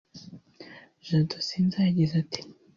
Jado Sinza yagize ati